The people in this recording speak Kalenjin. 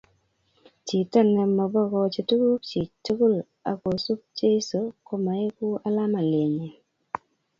Chito nimabokochi tukuk chik tukul akosub Jeso, komaeko alamalaenyi